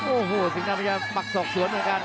โอ้โหสิงค์น้ำมันจะปักศอกสวนเหมือนกัน